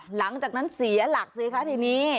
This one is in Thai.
หลังจากนั้นเสียหลักสิคะทีนี้